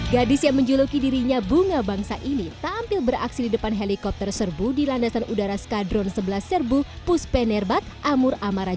gadis yang menjuluki dirinya bunga bangsa ini tampil beraksi di depan helikopter serbu di landasan udara skadron sebelas serbu puspenerbat amur amaraja